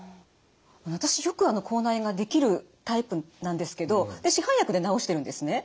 私よく口内炎ができるタイプなんですけど市販薬で治してるんですね。